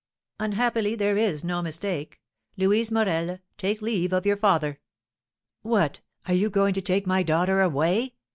"Unhappily there is no mistake. Louise Morel, take leave of your father!" "What! are you going to take my daughter away?"